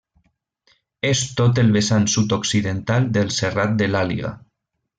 És tot el vessant sud-occidental del Serrat de l'Àliga.